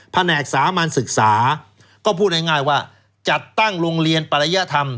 ภนักสามารณศึกษาก็พูดง่ายว่าจัดตั้งโรงเรียนปลัญญาธรรม